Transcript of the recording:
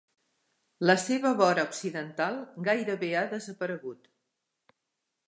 La seva vora occidental gairebé ha desaparegut.